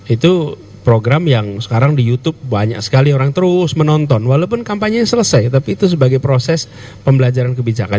itu program yang sekarang di youtube banyak sekali orang terus menonton walaupun kampanye selesai tapi itu sebagai proses pembelajaran kebijakan